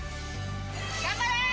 ・頑張れー！